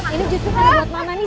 ini justru kalau buat mama nih